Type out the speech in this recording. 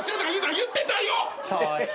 言ってた！